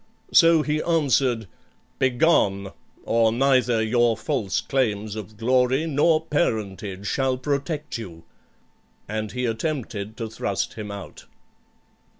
So he answered, "Begone! or neither your false claims of glory nor parentage shall protect you;" and he attempted to thrust him out.